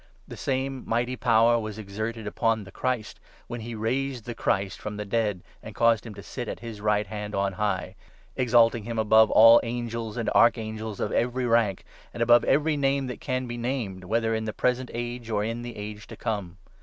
The same mighty cMapiayecMn powerwas exerted upon the Christ, when he raised the Resurrec the Christ from the dead and ' caused him to sit tion of Christ. at ^js right hand' on high, exalting him above all Angels and Archangels of every rank, and above every name that can be named, whether in the present age, or in the age to come.